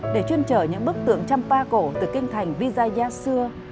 để chuyên trở những bức tượng champa cổ từ kinh thành visayasua